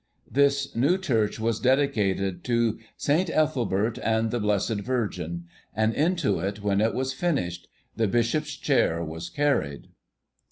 This new church was dedicated to 'St. Ethelbert and the Blessed Virgin,' and into it, when it was finished, the Bishop's chair was carried.